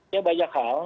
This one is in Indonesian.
ya banyak hal